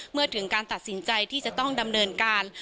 เมื่อถึงการตัดสินใจที่จะต้องดำเนินการ